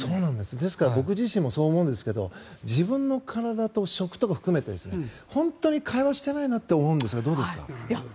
ですから僕自身もそう思うんですけど自分の体と、食とか含めて本当に会話していないなと思うんですがどうですか？